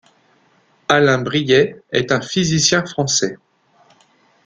Alain Brillet est un physicien français.